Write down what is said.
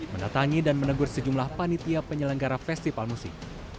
mendatangi dan menegur sejumlah panitia penyelenggara festival musik